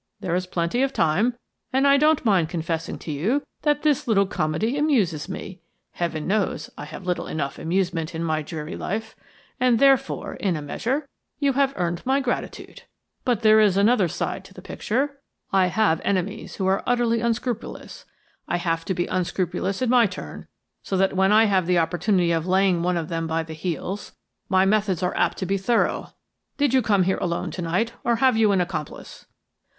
"There is plenty of time, and I don't mind confessing to you that this little comedy amuses me. Heaven knows, I have little enough amusement in my dreary life; and, therefore, in a measure, you have earned my gratitude. But there is another side to the picture. I have enemies who are utterly unscrupulous. I have to be unscrupulous in my turn, so that when I have the opportunity of laying one of them by the heels, my methods are apt to be thorough. Did you come here alone to night, or have you an accomplice?"